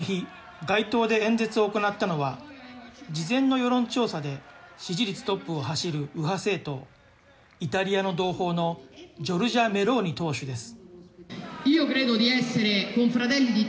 この日、街頭で演説を行ったのは、事前の世論調査で支持率トップを走る右派政党、イタリアの同胞のジョルジャ・メローニ党首です。